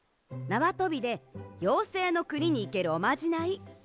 なわとびでようせいのくににいけるおまじない。